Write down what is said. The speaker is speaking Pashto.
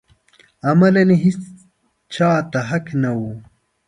عملاً هېچا ته حق نه و